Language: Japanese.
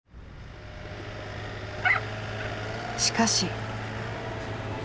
しかし。